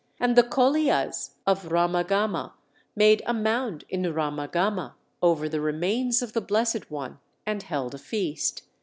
And the Koliyas of Ramagama made a mound in Ramagama over the remains of the Blessed One, and held a feast.